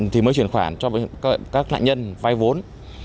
thì mới chuyển khoản cho các nạn nhân vay vốn